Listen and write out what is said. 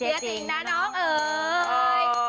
จริงนะน้องเอ๋ย